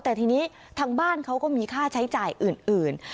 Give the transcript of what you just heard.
แต่ทีนี้ทางบ้านเขาก็มีค่าใช้จ่ายอื่น